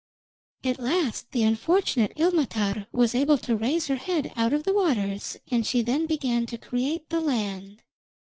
At last the unfortunate Ilmatar was able to raise her head out of the waters, and she then began to create the land.